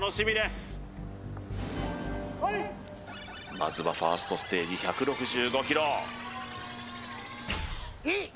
まずはファーストステージ１６５キロすごい！